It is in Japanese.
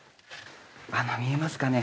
穴見えますかね？